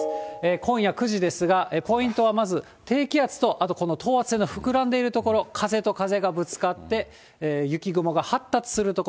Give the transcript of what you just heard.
今夜９時ですが、ポイントはまず低気圧とあとこの等圧線の膨らんでいる所、風と風がぶつかって、雪雲が発達する所。